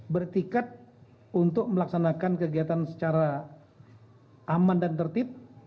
bertikat untuk melaksanakan kegiatan secara aman dan tertib